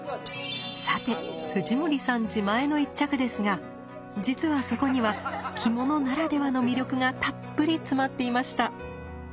さて藤森さん自前の一着ですが実はそこには着物ならではの魅力がたっぷり詰まっていました。